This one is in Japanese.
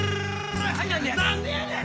はい何でやねん。